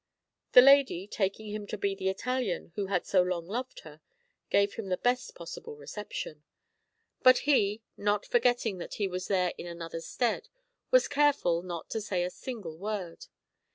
The lady, taking him to be the Italian who had so long loved her, gave him the best possible reception; but he, not forgetting that he was SECOND T>AT: TALE XW. 149 there in another's stead, was careful not to say a single word.